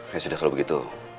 ya sudah kalau begitu